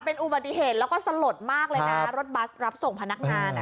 เป็นอุบัติเหตุแล้วก็สลดมากเลยนะรถบัสรับส่งพนักงาน